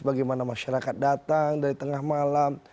bagaimana masyarakat datang dari tengah malam